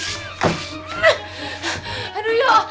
aduh aduh aduh